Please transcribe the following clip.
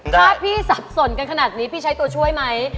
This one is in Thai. ถ้าพี่สับสนกันขนาดนี้พี่ใช้ตัวช่วยไหม